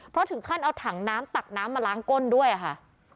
เพราะถึงขั้นเอาถังน้ำตักน้ำมาล้างก้นด้วยค่ะ